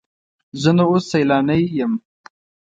زه نو اوس سیلانی یم.